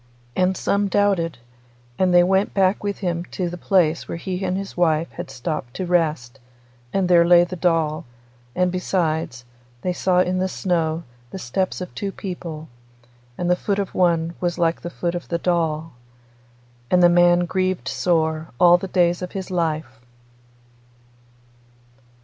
And some doubted, and they went back with him to the place where he and his wife had stopped to rest, and there lay the doll, and besides, they saw in the snow the steps of two people, and the foot of one was like the foot of the doll. And the man grieved sore all the days of his life.